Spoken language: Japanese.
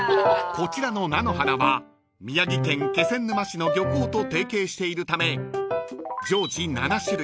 ［こちらの菜の花は宮城県気仙沼市の漁港と提携しているため常時７種類